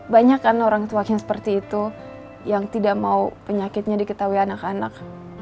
banyak kan orang tuanya seperti itu yang tidak mau penyakitnya diketahui anak anak